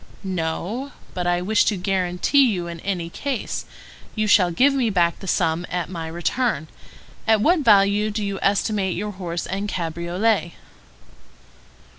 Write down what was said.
"No; but I wish to guarantee you in any case. You shall give me back the sum at my return. At what value do you estimate your horse and cabriolet?"